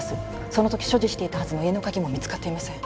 その時所持していたはずの家の鍵も見つかっていません